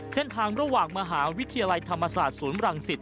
เส้นทางระหว่างมหาวิทยาลัยธรรมศาสตร์ศูนย์รังสิต